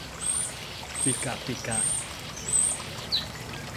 ปิกะปิกะ